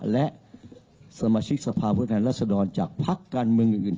และสมาชิกสภาพฤทธานรัฐสดรจากพักการเมืองอื่น